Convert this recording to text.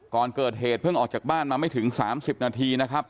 ก่อนเกิดเหตุเพิ่งออกจากบ้านมาไม่ถึง๓๐นาทีนะครับ